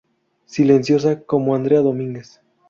Silenciosa" como Andrea Domínguez.